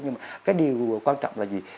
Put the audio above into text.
nhưng mà cái điều quan trọng là gì